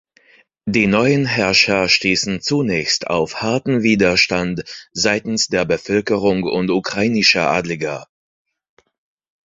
Die neuen Herrscher stießen zunächst auf harten Widerstand seitens der Bevölkerung und ukrainischer Adliger.